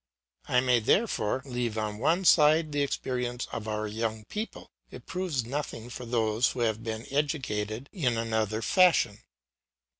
I may, therefore, leave on one side the experience of our young people; it proves nothing for those who have been educated in another fashion.